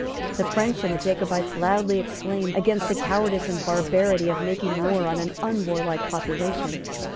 The French and the Jacobites loudly exclaimed against the cowardice and barbarity of making war on an unwarlike population.